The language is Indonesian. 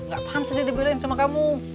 gak pantas dia belain sama kamu